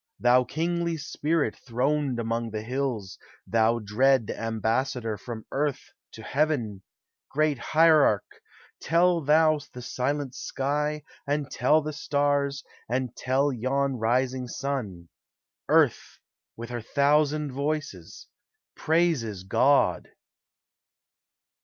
Thou kingly Spirit throned among the hills, Thou dread ambassador from Earth to Heaven, Great Hierarch ! tell thou the silent sky. And tell the stars, and tell yon rising sun, Earth with her thousand voices praises God.